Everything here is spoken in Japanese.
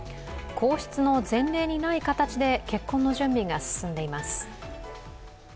皇室の前例にない形で結婚の準備が進んでいます。